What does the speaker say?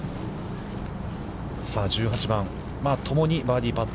さあ、１８番、共にバーディーパット。